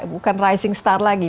bukan rising star lagi